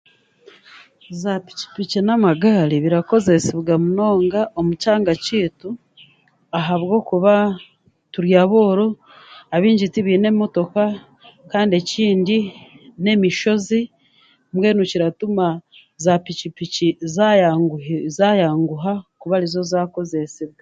Zaapikipiki n'amagaari birakozeesebwa munonga omu kyanga kyaitu ahabwokuba turi abooro, abaingi tibaine motoka, kandi ekindi, n'emishozi mbwenu kiratuma zaapikipiki zaayanguha kuba rizo zaakozesebwa.